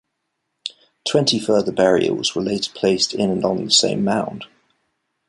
Twenty further burials were later placed in and on the same mound.